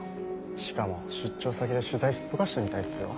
しかも出張先で取材すっぽかしたみたいっすよ？